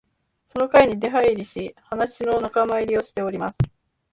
その会に出入りし、話の仲間入りをしております